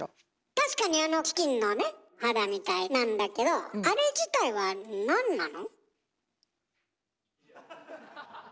確かにあのチキンのね肌みたいなんだけどえっなんなの？